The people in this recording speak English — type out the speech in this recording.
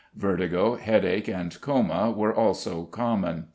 Vertigo, headache, and coma were also common.